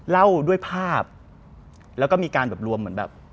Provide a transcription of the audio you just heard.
เล่าด้วยภาพแล้วก็มีการแบบรวม